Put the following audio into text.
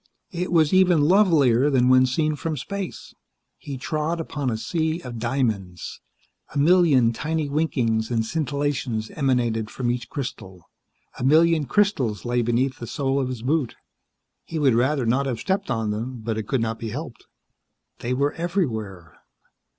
It was even lovelier than when seen from space. He trod upon a sea of diamonds. A million tiny winkings and scintillations emanated from each crystal. A million crystals lay beneath the sole of his boot. He would rather not have stepped on them, but it could not be helped. They were everywhere.